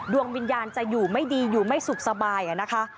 ดวงวิญญาณจะอยู่ไม่ดีอยู่ไม่สุขสบายนะคะ